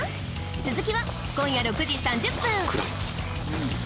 続きは今夜６時３０分